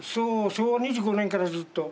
昭和２５年からずっと。